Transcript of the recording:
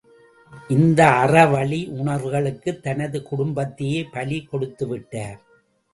இந்த அறவழி உணர்வுகளுக்குத் தனது குடும்பத்தையே பலி கொடுத்துவிட்டார்.